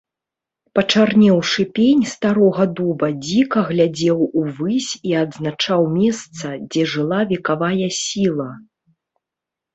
Пачарнеўшы пень старога дуба дзіка глядзеў увысь і адзначаў месца, дзе жыла векавая сіла.